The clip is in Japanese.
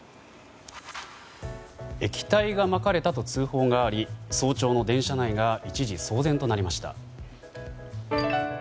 液体がまかれたと通報があり早朝の電車内が一時騒然となりました。